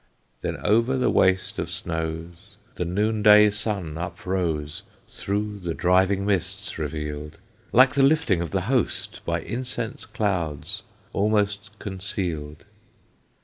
Then over the waste of snows The noonday sun uprose, Through the driving mists revealed, Like the lifting of the Host, By incense clouds almost Concealed.